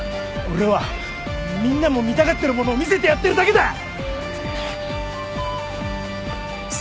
俺はみんなも見たがってるものを見せてやってるだけだ！